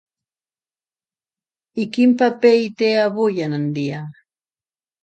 I quin paper hi té avui en dia?